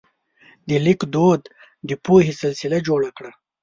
د لیک دود د پوهې سلسله جوړه کړه.